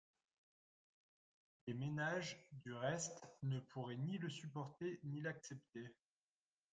Les ménages, du reste, ne pourraient ni le supporter, ni l’accepter.